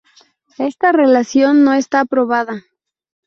Esta relación no está probada.